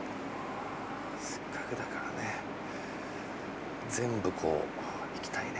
せっかくだからね全部こういきたいね。